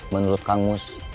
menurut kang mus